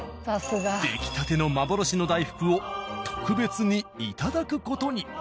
出来たての幻の大福を特別にいただく事に。